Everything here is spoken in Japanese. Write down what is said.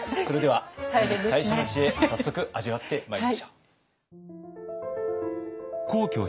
それでは本日最初の知恵早速味わってまいりましょう。